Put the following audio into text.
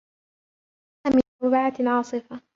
يا لها من زوبعة عاصفة!